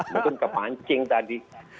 mungkin kepancing tadi